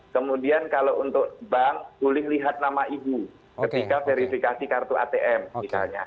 kemudian kalau untuk bank boleh lihat nama ibu ketika verifikasi kartu atm misalnya